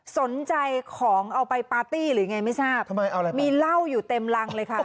สนใจของเอาไปปาร์ตี้หรือไงไม่ทราบทำไมอะไรมีเหล้าอยู่เต็มรังเลยค่ะ